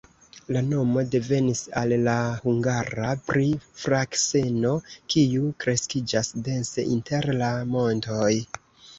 La nomo devenis en la hungara pri frakseno, kiu kreskiĝas dense inter la montoj.